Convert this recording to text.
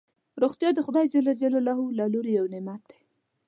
روغتیا دخدای ج له لوری یو نعمت دی